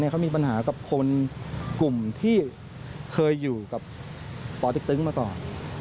เขามีปัญหากับคนกลุ่มที่เคยอยู่กับปอเต็กตึ๊งมาก่อน